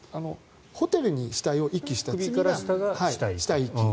ホテルに死体を遺棄した死体遺棄。